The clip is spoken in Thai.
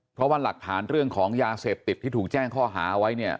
เพราะว่าหลักฐานเรื่องของยาเสพติดที่ถูกแจ้งข้อหาไว้เนี่ย